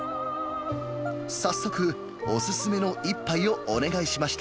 早速、お勧めの一杯をお願いしました。